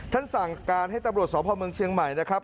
สั่งการให้ตำรวจสพเมืองเชียงใหม่นะครับ